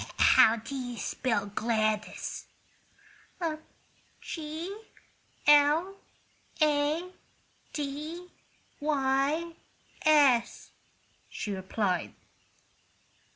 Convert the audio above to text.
"How do you spell Gladys?" "G l a d y s," she replied.